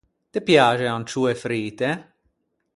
Te piaxe e ancioe frite?